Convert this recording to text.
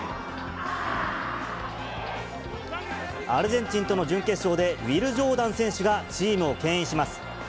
アルゼンチンとの準決勝で、ウィル・ジョーダン選手がチームをけん引します。